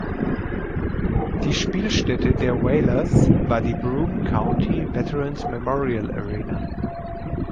Die Spielstätte der Whalers war die Broome County Veterans Memorial Arena.